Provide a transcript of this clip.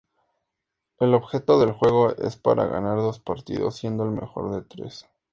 El objeto del juego es para ganar dos partidos siendo el mejor de tres.